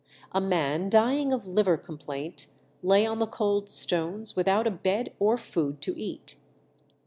A man dying of liver complaint lay on the cold stones without a bed or food to eat.